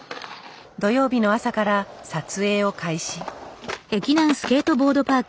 土曜日の朝から撮影を開始。